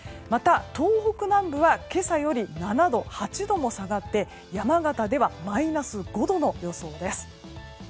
また、東北南部は今朝より７度、８度も下がって山形ではマイナス５度の予想です。